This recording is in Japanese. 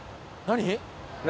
何？